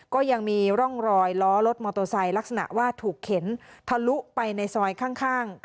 ก็ยังมีร่องรอยล้อรถมอเตอร์ไซค์ลักษณะว่าถูกเข็นทะลุไปในซอยข้าง